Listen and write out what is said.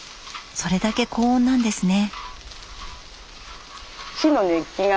それだけ高温なんですね。